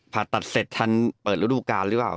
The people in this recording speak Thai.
ผ่าตัดเสร็จทันเปิดฤดูการหรือเปล่า